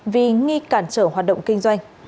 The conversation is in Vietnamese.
vì nghi cản trở hoạt động kinh doanh